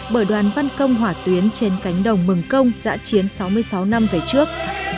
bởi đoàn văn công hỏa tuyến trên cánh đồng mừng công giã chiến sáu mươi sáu năm về trước